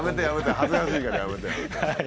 恥ずかしいからやめてやめて。